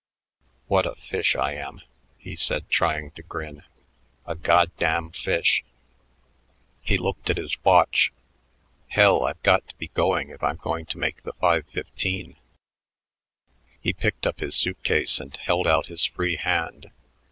"What a fish I am!" he said, trying to grin. "A goddamn fish." He looked at his watch. "Hell, I've got to be going if I'm going to make the five fifteen," He picked up his suit case and held out his free hand.